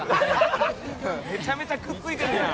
めちゃめちゃくっついてるじゃん！